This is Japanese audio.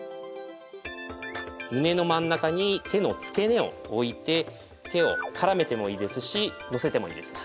胸の真ん中に手の付け根を置いて手を絡めてもいいですしのせてもいいですし。